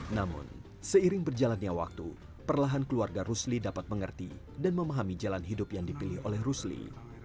namun seiring berjalannya waktu perlahan keluarga rusli dapat mengerti dan memahami jalan hidup yang dipilih oleh rusli